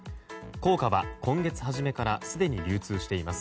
硬貨は今月初めからすでに流通しています。